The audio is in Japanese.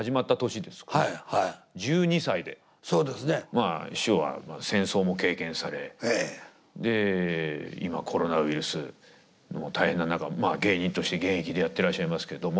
まあ師匠は戦争も経験されで今コロナウイルスの大変な中芸人として現役でやってらっしゃいますけども。